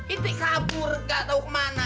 itu kabur gak tau mana